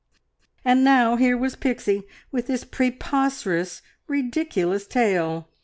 And now here was Pixie, with this preposterous, ridiculous tale!